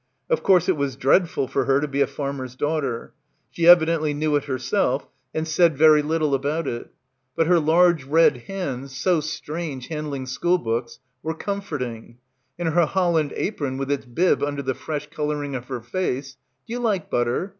Of course it was dreadful for her to be a farmer's daughter. She — 88 — BACKWATER evidently knew it herself and said very little about it. But her large red hands, so strange handling school books, were comforting; and her holland apron with its bib under the fresh colouring of her face — do you like butter?